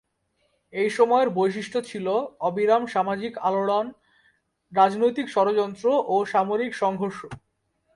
এই সময়ের বৈশিষ্ট ছিল অবিরাম সামাজিক আলোড়ন, রাজনৈতিক ষড়যন্ত্র ও সামরিক সংঘর্ষ।